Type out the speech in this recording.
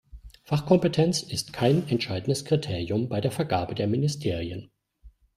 Fachkompetenz ist kein entscheidendes Kriterium bei der Vergabe der Ministerien.